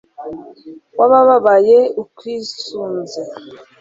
w'abababaye ukwisunz